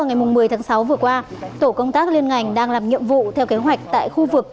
ngày một mươi tháng sáu vừa qua tổ công tác liên ngành đang làm nhiệm vụ theo kế hoạch tại khu vực